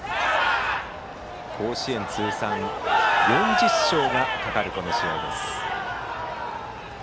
甲子園通算４０勝がかかるこの試合です。